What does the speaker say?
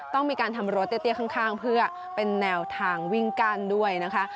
ต้องมีการทำรั้วเตี้ยข้างเพื่อเป็นแนวทางวิ่งกั้นด้วยนะคะ